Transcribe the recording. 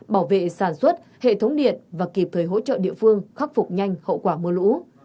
bảo vệ sản xuất hệ thống điện và kịp thời hỗ trợ địa phương khắc phục nhanh hậu quả mưa lũ